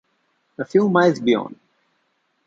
A few miles beyond.